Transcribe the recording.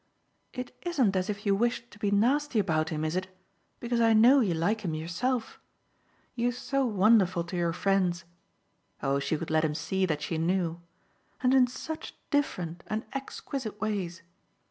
"It isn't as if you wished to be nasty about him, is it? because I know you like him yourself. You're so wonderful to your friends" oh she could let him see that she knew! "and in such different and exquisite ways.